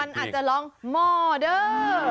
มันอาจจะร้องมอเดอร์